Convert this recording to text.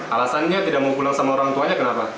alasannya tidak mau pulang sama orang tuanya kenapa